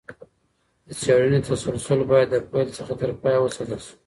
د څېړني تسلسل باید د پیل څخه تر پایه وساتل سي.